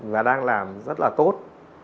và đang làm rất là tốt